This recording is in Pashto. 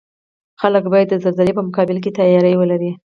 خلک باید د زلزلې په مقابل کې تیاری ولري